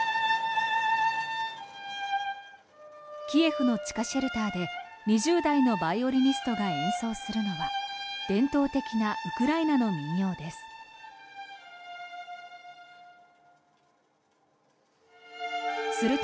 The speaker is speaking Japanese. キエフの地下シェルターで２０代のバイオリニストが演奏するのは伝統的なウクライナの民謡です。